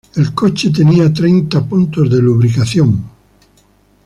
El coche tenía treinta puntos de lubricación.